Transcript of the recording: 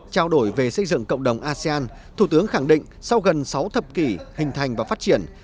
trao đổi về xây dựng cộng đồng asean thủ tướng khẳng định sau gần sáu thập kỷ hình thành và phát triển